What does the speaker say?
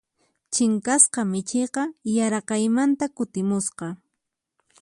Chinkasqa michiyqa yaraqaymanta kutimusqa.